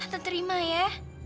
tante terima ya